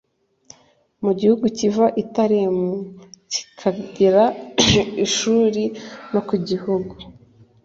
mu gihugu kiva i Telamu kikagera i Shuri no ku gihugu